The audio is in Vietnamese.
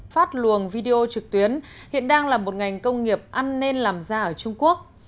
phát luồng video trực tuyến hiện đang là một ngành công nghiệp ăn nên làm ra ở trung quốc